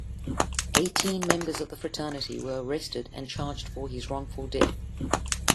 Eighteen members of the fraternity were arrested and charged for his wrongful death.